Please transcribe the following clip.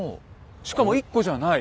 しかも１個じゃない。